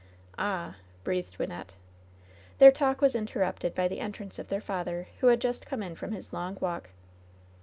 "Ah !" breathed Wynnette. Their talk was interrupted by the entrance of their father, who had just come in from his long walk.